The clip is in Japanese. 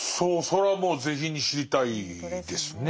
それはもう是非に知りたいですね。